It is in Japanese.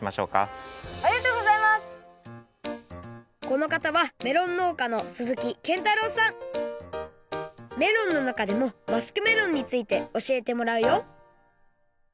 このかたはメロンのうかのメロンのなかでもマスクメロンについておしえてもらうよ！